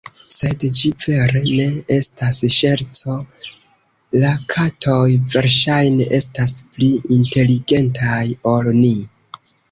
Sed ĝi vere ne estas ŝerco, la katoj versaĵne estas pli inteligentaj ol ni.